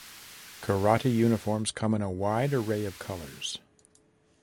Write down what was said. Karate uniforms come in a wide array of colours.